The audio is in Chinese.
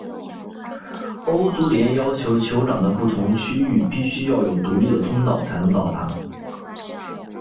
欧足联要求球场的不同区域必须要有独立的通道能够到达。